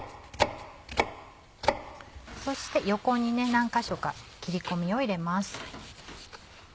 そして横に何か所か切り込みを入れます。